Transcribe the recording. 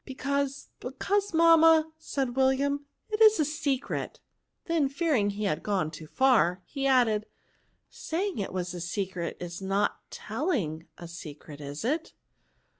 " Because ^— because, mamma/^ said Wil lianiy ^^ it is a secret ;" then fearing he had gone too fan, he added, ^^ saying it was a secret is not telling a secret, is it